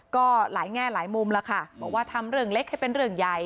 ก็หลายแง่หลายมุมแล้วค่ะบอกว่าทำเรื่องเล็กให้เป็นเรื่องใหญ่